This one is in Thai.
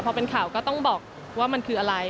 พอเป็นข่าวก็ต้องบอกว่ามันคืออะไร